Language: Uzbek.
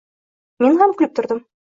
Men ham kulib turdim.